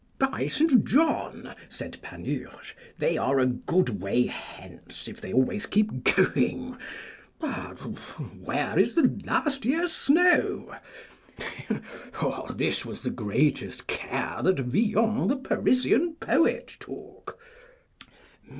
By St. John, said Panurge, they are a good way hence, if they always keep going. But where is the last year's snow? This was the greatest care that Villon the Parisian poet took.